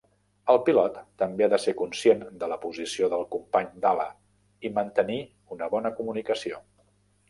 El pilot també ha de ser conscient de la posició del company d'ala, i mantenir una bona comunicació.